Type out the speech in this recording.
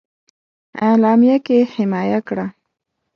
اعلامیه کې حمایه کړه.